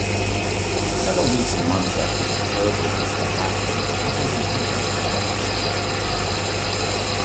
Several weeks or months after the betrothal was contracted, the couple's intentions were published.